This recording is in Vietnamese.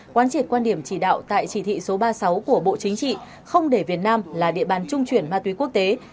quán triệt quan điểm chỉ đạo tại chỉ thị số ba mươi sáu của bộ chính trị không để việt nam là địa bàn trung chuyển ma túy quốc tế